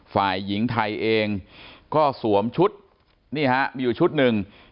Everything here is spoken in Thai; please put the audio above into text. ฝ่ายหญิงไทยเองก็สวมชุดนี่ฮะมีอยู่ชุดหนึ่ง